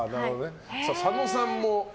佐野さんも。